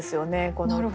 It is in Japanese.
この歌。